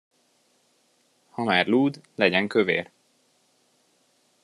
Ha már lúd, legyen kövér!